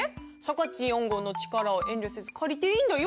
かっち４号の力を遠慮せず借りていいんだよ？